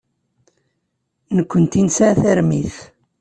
Nekkenti nesɛa tarmit.